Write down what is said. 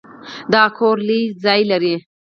دا کور لوی انګړ لري.